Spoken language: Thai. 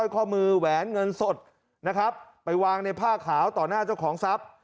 ข้อมือแหวนเงินสดนะครับไปวางในผ้าขาวต่อหน้าเจ้าของทรัพย์